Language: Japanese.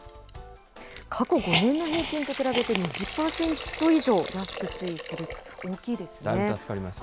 過去５年の平均と比べて、２０％以上安く推移するって大きいですね。